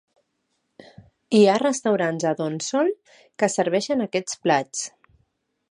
Hi ha restaurants a Donsol que serveixen aquests plats.